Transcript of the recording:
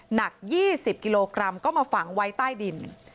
หนัก๒๐กิโลกรัมก็มาฝังไว้ใต้ดิน